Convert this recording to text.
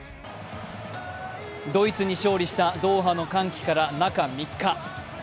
ドイツに勝利したドーハの歓喜から中３日。